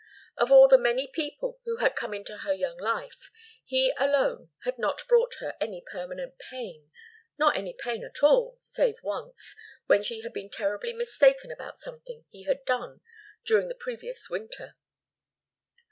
Of all the many people who had come into her young life, he alone had not brought her any permanent pain, nor any pain at all, save once, when she had been terribly mistaken about something he had done during the previous winter.